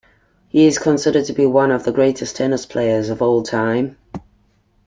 He is considered to be one of the greatest tennis players of all time.